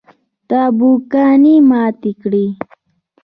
تابوگانې ماتې کړي